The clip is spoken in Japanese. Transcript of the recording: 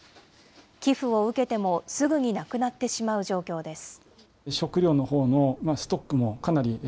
寄付を受けてもすぐになくなってしまう状況です。